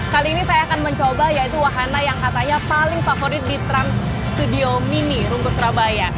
kali ini saya akan mencoba yaitu wahana yang katanya paling favorit di trans studio mini rungkut surabaya